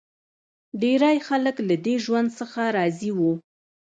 ډېری خلک له دې ژوند څخه راضي وو